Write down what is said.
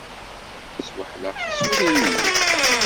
Sweḥleɣ tisura-inu.